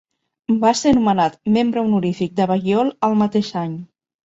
Va ser nomenat membre honorífic de Balliol el mateix any.